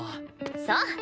そう！